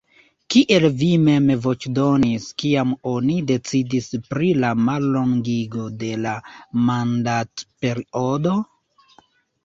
Kiel vi mem voĉdonis, kiam oni decidis pri la mallongigo de la mandatperiodo?